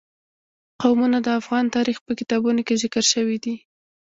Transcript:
قومونه د افغان تاریخ په کتابونو کې ذکر شوی دي.